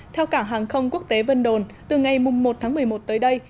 theo cảng hàng không quốc tế vân đồn từ ngày một tháng một mươi một tới đây